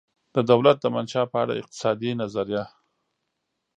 د دولته دمنشا په اړه اقتصادي نظریه